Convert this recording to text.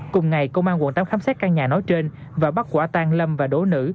cùng ngày công an quận tám khám xét căn nhà nói trên và bắt quả tang lâm và đỗ nữ